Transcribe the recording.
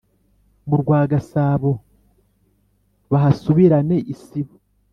Mu rwa Gasabo bahasubirane isibo